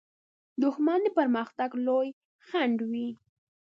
دښمن د پرمختګ لوی خنډ وي